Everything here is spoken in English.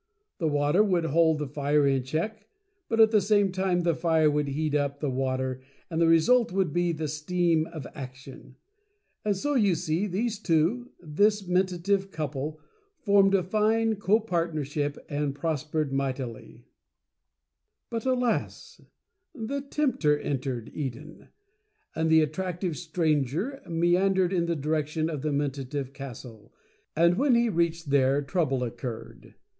The Water would hold the Fire in check, but at the same time the Fire would heat up the Water and the result would be the Steam of Action. And, so, you see these two — this Menta tive Couple — formed a fine co partnership, and pros pered mightily. ENTER THE TEMPTER. But, alas! the Tempter entered Eden — and the At tractive Stranger meandered in the direction of the Mentative Castle, and when he reached there trouble occurred.